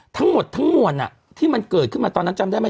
ทั้งหมดทั้งมวลที่มันเกิดขึ้นมาตอนนั้นจำได้ไหม